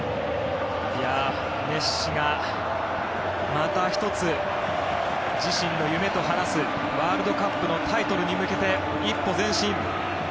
メッシが、また１つ自身の夢と話すワールドカップのタイトルに向けて一歩前進。